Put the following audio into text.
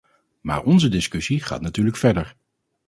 Maar onze discussie gaat natuurlijk verder.